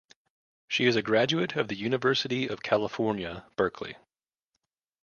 She is a graduate of the University of California, Berkeley.